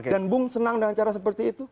dan bung senang dengan cara seperti itu